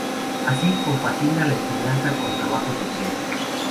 Así, compagina la enseñanza con trabajos en prensa.